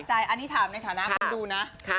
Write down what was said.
อันนี้ถามในฐานะคนดูนะ